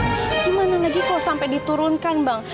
gimana lagi kok sampai diturunkan bang